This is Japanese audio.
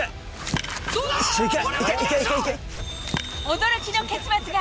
驚きの結末が。